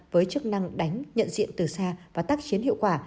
với chức năng đánh nhận diện từ xa và tác chiến hiệu quả